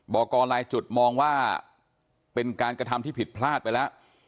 บอกกรลายจุดมองว่าเป็นการกระทำที่ผิดพลาดไปแล้ว